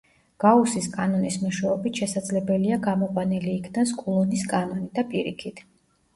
გაუსის კანონის მეშვეობით შესაძლებელია გამოყვანილი იქნას კულონის კანონი, და პირიქით.